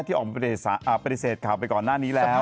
ที่ออกมาปฏิเสธข่าวไปก่อนหน้านี้แล้ว